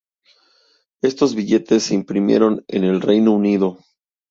Estos billetes se imprimieron en el Reino Unido.